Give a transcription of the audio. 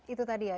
itu tadi ya